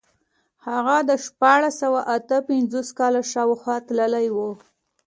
هغه د شپاړس سوه اته پنځوس کال شاوخوا تللی و.